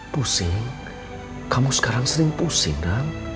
pusing kamu sekarang sering pusing